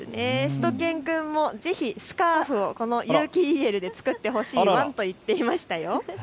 しゅと犬くんもぜひ、スカーフをこの有機ＥＬで作ってほしいワンと言っていましたよ。